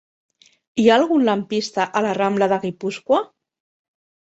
Hi ha algun lampista a la rambla de Guipúscoa?